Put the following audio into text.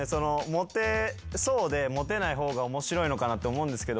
モテそうでモテない方が面白いのかなって思うんですけど。